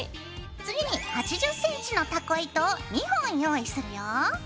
次に８０ｃｍのたこ糸を２本用意するよ。